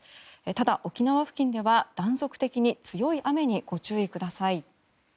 ただ、沖縄付近では断続的に強い雨にご注意ください。